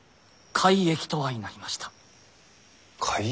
改易。